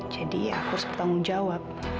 jadi aku harus bertanggung jawab